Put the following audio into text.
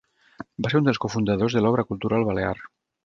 Va ser un dels cofundadors de l'Obra Cultural Balear.